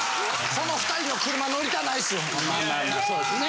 この２人の車乗りたないっすよほんま。ね。